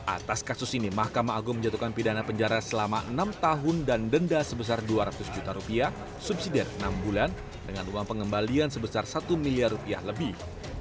atas kasus ini mahkamah agung menjatuhkan pidana penjara selama enam tahun dan denda sebesar dua ratus juta rupiah subsidi dari enam bulan dengan uang pengembalian sebesar satu miliar rupiah lebih